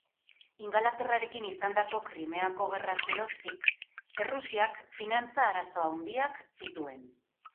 Ingalaterrarekin izandako Krimeako Gerraz geroztik, Errusiak finantza arazo handiak zituen.